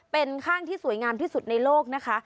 เป็นข้างที่สวยงามที่สุดในโลกนะคะ